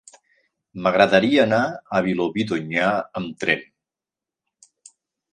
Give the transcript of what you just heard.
M'agradaria anar a Vilobí d'Onyar amb tren.